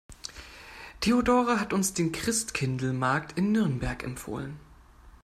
Theodora hat uns den Christkindlesmarkt in Nürnberg empfohlen.